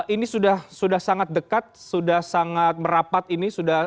ini sudah sangat dekat sudah sangat merapat ini